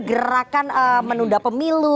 gerakan menunda pemilu